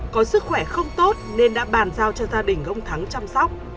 có sức khỏe không tốt nên đã bàn giao cho gia đình ông thắng chăm sóc